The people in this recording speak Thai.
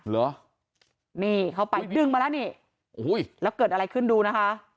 เหรอนี่เข้าไปดึงมาแล้วนี่อุ้ยแล้วเกิดอะไรขึ้นดูนะคะ